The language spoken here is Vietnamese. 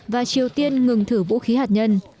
và triều tiên ngừng thử vũ khí hạt nhân